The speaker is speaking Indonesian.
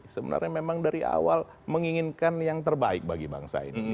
sebenarnya memang dari awal menginginkan yang terbaik bagi bangsa ini